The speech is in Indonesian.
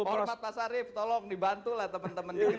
orang orang pasarip tolong dibantulah teman teman di indonesia